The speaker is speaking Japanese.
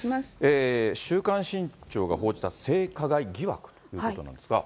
週刊新潮が報じた性加害疑惑ということなんですが。